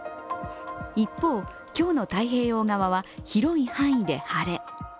一方、今日の太平洋側は広い範囲で晴れ。